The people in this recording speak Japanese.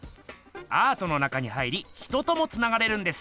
アートの中に入り人ともつながれるんです。